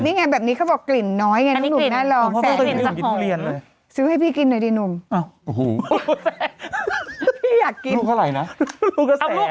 นี่ไงแบบนี้เขาบอกกลิ่นน้อยไงทุกหนุ่มน่ารอง